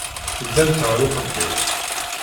Teddamt ɣer uxeddim.